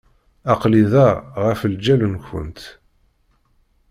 Aql-i da ɣef lǧal-nkent.